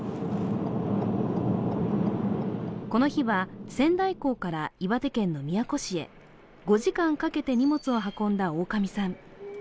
この日は仙台港から岩手県の宮古市へ５時間かけて荷物を運んだ大上さん。